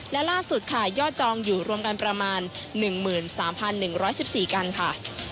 และล่าสุดค่ะยอดจองอยู่รวมกันประมาณ๑๓๑๑๔กันค่ะ